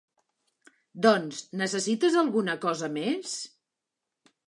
Doncs necessites alguna cosa més?